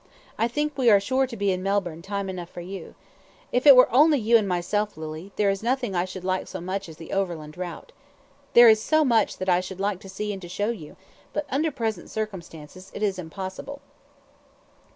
I think we are sure to be in Melbourne time enough for you. If it were only you and myself, Lily, there is nothing I should like so much as the overland route. There is so much that I should like to see and to show to you, but under present circumstances it is impossible."